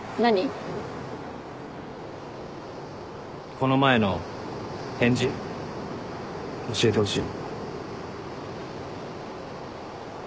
この前の返事教えてほしい。